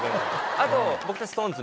あと僕たちＳｉｘＴＯＮＥＳ